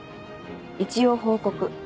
一応報告。